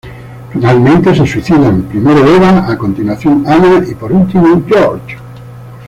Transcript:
Finalmente, se suicidan, primero Eva, a continuación, Anna, y, por último, Georg.